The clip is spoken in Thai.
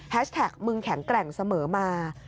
แท็กมึงแข็งแกร่งเสมอมา